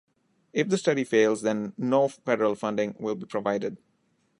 If the study fails, then no federal funding will be provided.